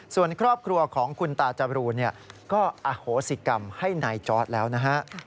ส่วนครอบครัวของคุณตาจบรูนก็อโหสิกรรมให้นายจอร์ดแล้วนะฮะ